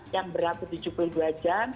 yang berlaku tujuh puluh dua jam